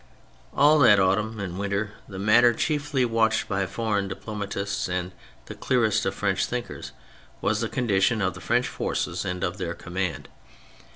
All that autimm and winter the matter chiefly watched by foreign diplomatists and the clearest of French thinkers was the condition of the French forces and of their command.